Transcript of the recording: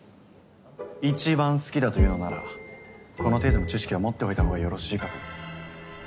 一番好きだと言うのならこの程度の知識は持っておいたほうがよろしいかと。